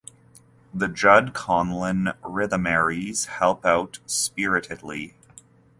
The Jud Conlon Rhythmaires help out spiritedly.